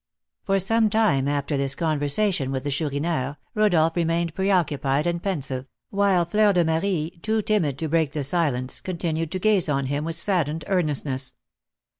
For some time after this conversation with the Chourineur, Rodolph remained preoccupied and pensive, while Fleur de Marie, too timid to break the silence, continued to gaze on him with saddened earnestness.